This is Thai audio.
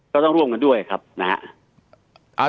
ก็ต้องร่วมกันด้วยครับนะครับ